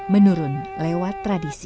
menurun lewat tradisi